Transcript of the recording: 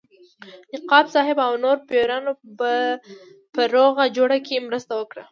نقیب صاحب او نورو پیرانو په روغه جوړه کې مرسته وکړه.